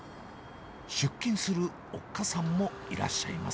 出勤するおっかさんもいらっしゃいます。